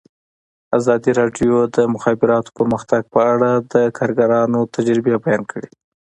ازادي راډیو د د مخابراتو پرمختګ په اړه د کارګرانو تجربې بیان کړي.